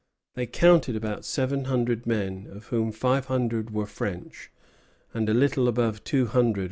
They counted about seven hundred men, of whom five hundred were French, and a little above two hundred were Indians.